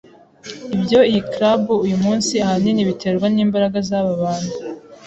Ibyo iyi club uyumunsi ahanini biterwa nimbaraga zaba bantu.